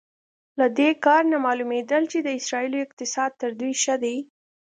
له دې کار نه معلومېدل چې د اسرائیلو اقتصاد تر دوی ښه دی.